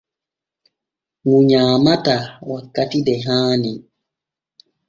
Ŋu nyaamataa wakkati de haani.